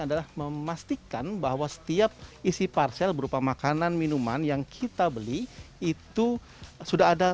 adalah memastikan bahwa setiap isi parsel berupa makanan minuman yang kita beli itu sudah ada